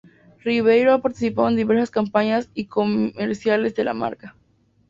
Ribeiro ha participado en diversas campañas y comerciales de la marca.